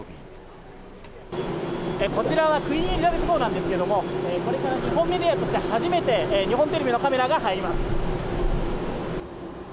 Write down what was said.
こちらは、クイーン・エリザベス号なんですけれども、これから日本メディアとして初めて、日本テレビのカメラが入ります。